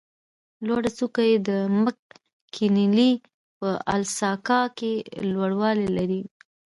لوړه څوکه یې مک کینلي په الاسکا کې لوړوالی لري.